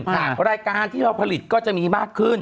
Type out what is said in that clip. รายการที่เราผลิตก็จะมีมากขึ้น